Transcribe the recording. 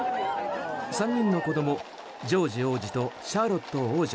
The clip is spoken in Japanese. ３人の子供、ジョージ王子とシャーロット王女